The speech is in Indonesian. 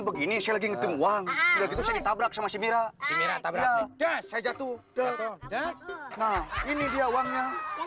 begini lagi ngerti uang itu saya ditabrak sama si mira si mira tabrak jatuh jatuh jatuh ini dia uangnya